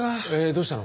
どうしたの？